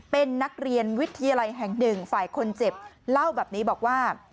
เป็นนักเรียนวิทยาลัยแห่งหนึ่งฝ่ายคนเจ็บเล่าแบบนี้บอกว่า